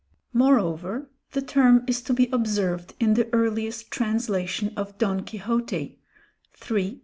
Moreover, the term is to be observed in the earliest translation of Don Quixote (iii.